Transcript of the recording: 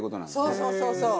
そうそうそうそう。